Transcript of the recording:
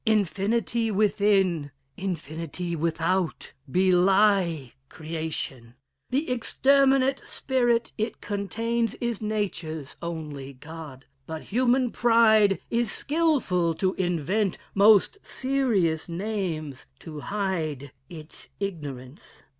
Infinity within, Infinity without, belie creation; The exterminate spirit it contains Is nature's only God: but human pride Is skilful to invent most serious names To hide its ignorance.